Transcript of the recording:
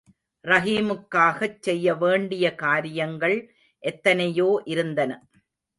ரஹீமுக்காகச் செய்ய வேண்டிய காரியங்கள் எத்தனையோ இருந்தன.